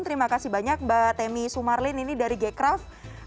terima kasih banyak mbak temi sumarlin ini dari gecraf